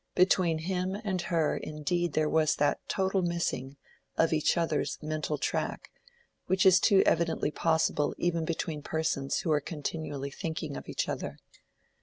Between him and her indeed there was that total missing of each other's mental track, which is too evidently possible even between persons who are continually thinking of each other.